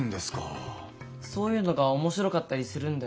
そういうのが面白かったりするんだよ。